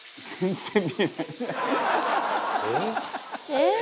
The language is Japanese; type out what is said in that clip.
「えっ？